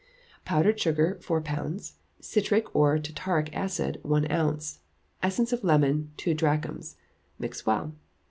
Powdered sugar, four pounds; citric or tartaric acid, one ounce; essence of lemon, two drachms; mix well.